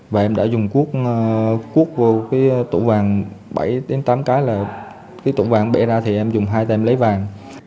và em đã dùng cuốc cuốc vô cái tủ vàng bảy tám cái là cái tủ vàng bể ra thì em dùng hai tay em lấy vàng